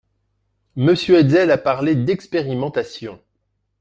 Monsieur Hetzel a parlé d’expérimentation.